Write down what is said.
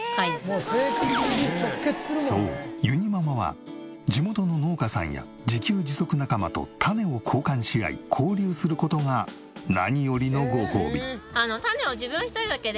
そうゆにママは地元の農家さんや自給自足仲間と種を交換し合い交流する事が何よりのごほうび。